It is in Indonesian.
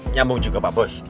nyambung juga pak bos